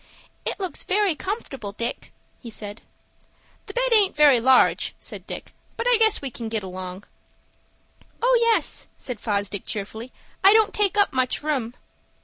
"It looks very comfortable, Dick," he said. "The bed aint very large," said Dick; "but I guess we can get along." "Oh, yes," said Fosdick, cheerfully. "I don't take up much room."